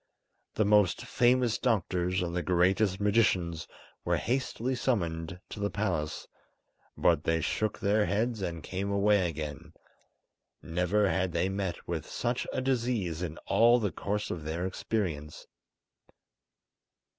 The most famous doctors and the greatest magicians were hastily summoned to the palace, but they shook their heads and came away again; never had they met with such a disease in all the course of their experience.